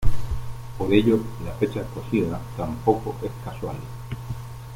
Por ello, la fecha escogida tampoco es casual.